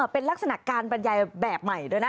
เป็นลักษณะการบรรยายแบบใหม่ด้วยนะ